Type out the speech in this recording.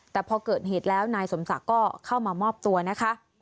แต่พอเกิดเหตุแล้วนายสมศักดิ์ก็เข้ามามอบตัวนะคะ